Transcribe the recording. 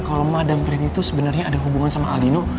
kalau madame priti itu sebenernya ada hubungan sama aldino